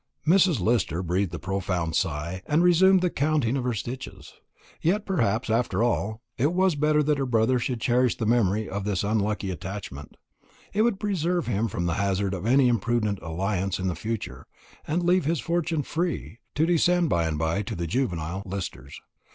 Mrs. Lister breathed a profound sigh, and resumed the counting of her stitches. Yet perhaps, after all, it was better that her brother should cherish the memory of this unlucky attachment. It would preserve him from the hazard of any imprudent alliance in the future, and leave his fortune free, to descend by and by to the juvenile Listers.